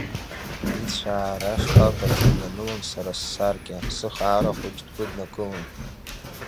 Ицәаара шкәакәаӡа ианылон сара ссаркьа, сыхаара хәыҷ дгәыднакылон.